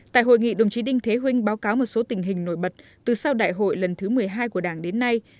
tại hội nghị đồng chí đinh thế huynh báo cáo một số tình hình nổi bật từ sau đại hội lần thứ một mươi hai của đảng đến nay